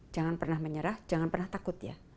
jangan pernah menyerah jangan pernah takut ya